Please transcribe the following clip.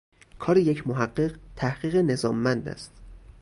کار یک محقق، تحقیق نظاممند است